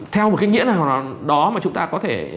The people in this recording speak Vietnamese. theo một cái nghĩa nào đó mà chúng ta có thể